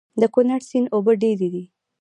د کونړ سيند اوبه ډېرې دي